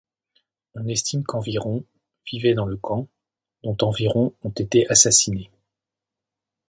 On estime qu'environ vivaient dans le camp, dont environ ont été assassinés.